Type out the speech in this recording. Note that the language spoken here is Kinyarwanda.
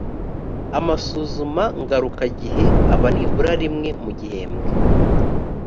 amasuzuma ngarukagihe aba nibura rimwe mu gihembwe